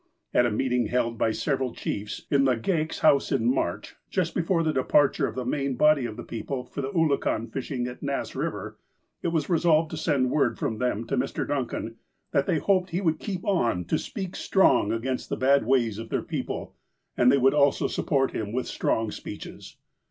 At a meeting held by several chiefs, in Legale' s house, in March, just before the departure of the main body of the people for the oolakan fishing at Nass Eiver, it was resolved to send word from them to Mr. Duncan, that they hoped he would keep on to "speak strong" against the bad ways of their people, and they would also sup port him with "strong speeches."